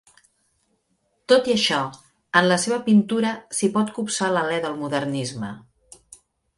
Tot i això, en la seva pintura s'hi pot copsar l'alè del modernisme.